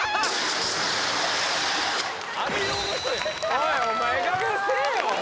おいお前ええ加減にせえよ！